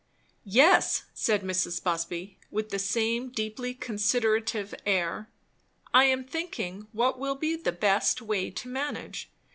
"Yes!" said Mrs. Busby, with the same deeply considerative air. "I am thinking what will be the best way to manage.